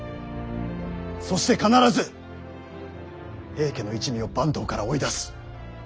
そして必ず平家の一味を坂東から追い出す。